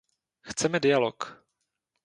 Chceme dialog.